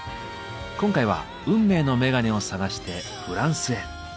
今回は運命のメガネを探してフランスへ。